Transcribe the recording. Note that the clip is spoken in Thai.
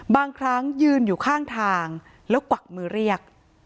บางครั้งยืนอยู่ข้างทางแล้วกวักมือเรียก